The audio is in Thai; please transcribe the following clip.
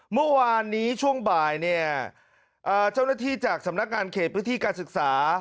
เมื่อวานนี้ช่วงบ่ายเนี่ยเจ้าหน้าที่จากสำนักงานเขตพื้นที่การศึกษา